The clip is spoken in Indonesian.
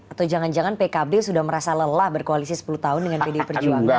atau jangan jangan pkb sudah merasa lelah berkoalisi sepuluh tahun dengan pdi perjuangan